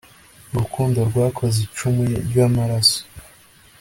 urukundo rwakoze icumu ryamaraso